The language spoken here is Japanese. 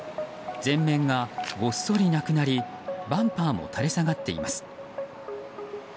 前面がごっそりなくなりバンパーも垂れ下がっています。